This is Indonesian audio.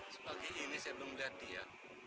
sebagian ini saya belum melihat dia